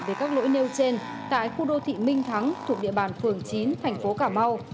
về các lỗi nêu trên tại khu đô thị minh thắng thuộc địa bàn phường chín tp cà mau